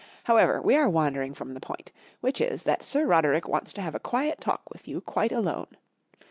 However, we are wandering from the point, which is that Sir Roderick wants to have a quiet talk with you quite alone.